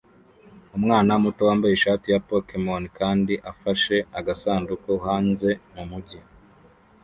Umwana muto wambaye ishati ya Pokemon kandi afashe agasanduku hanze mumujyi